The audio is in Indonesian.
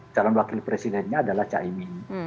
calon wakil presidennya adalah caimin